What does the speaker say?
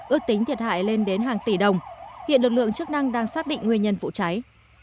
ước tính thiệt hại lên đến hàng tỷ đồng hiện lực lượng chức năng đang xác định nguyên nhân vụ cháy